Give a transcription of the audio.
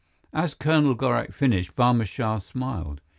As Colonel Gorak finished, Barma Shah smiled.